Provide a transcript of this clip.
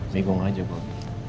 megung aja pak